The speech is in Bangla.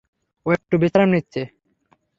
ও একটু বিশ্রাম নিচ্ছে।